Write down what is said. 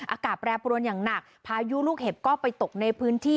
อากาศแปรปรวนอย่างหนักพายุลูกเห็บก็ไปตกในพื้นที่